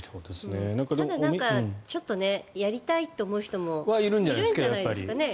ただ、ちょっとやりたいと思う人もいるんじゃないですかね